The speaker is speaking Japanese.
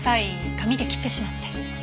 紙で切ってしまって。